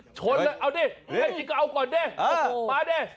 โอ้โหตัวตึงชนแล้วเอาดิแม่งจิ๊กเอาก่อนดิ